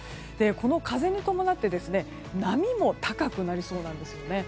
この風に伴って波も高くなりそうなんですよね。